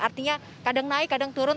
artinya kadang naik kadang turun